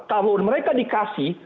kalau mereka dikasih